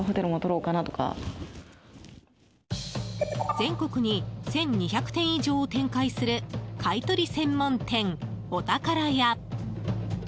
全国に１２００店以上を展開する買取専門店おたからや。